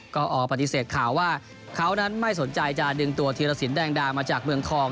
ก็ออกปฏิเสธข่าวว่าเขานั้นไม่สนใจจะดึงตัวธีรสินแดงดามาจากเมืองทอง